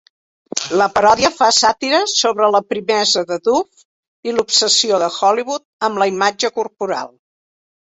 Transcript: La paròdia fa sàtira sobre la primesa de Duff i l'obsessió de Hollywood amb la imatge corporal.